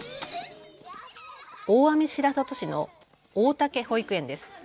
大網白里市の大竹保育園です。